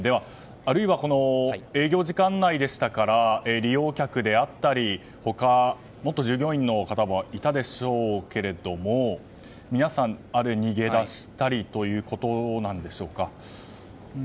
あるいは営業時間内でしたから利用客であったり他、もっと従業員の方もいたでしょうが皆さん、逃げ出したりということでしょうか。